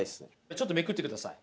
ちょっとめくってください。